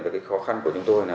về khó khăn của chúng tôi